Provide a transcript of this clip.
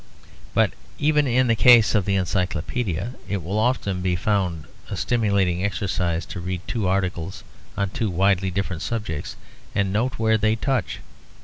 But even in the case of the Encyclopedia, it will often be found a stimulating exercise to read two articles on two widely different subjects and note where they touch.